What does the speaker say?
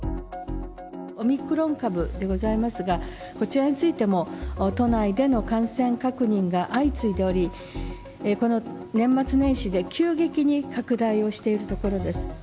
オミクロン株でございますが、こちらについても、都内での感染確認が相次いでおり、この年末年始で急激に拡大をしているところです。